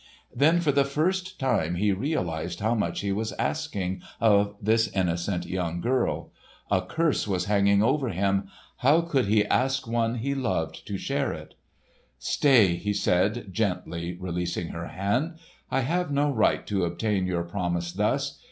Then for the first time he realised how much he was asking of this innocent young girl. A curse was hanging over him; how could he ask one he loved to share it? "Stay!" he said, gently releasing her hand, "I have no right to obtain your promise thus.